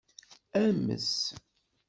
Ames.